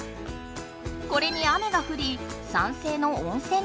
これに雨がふり酸性の温泉になる。